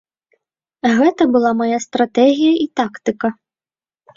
Гэта была мая стратэгія і тактыка.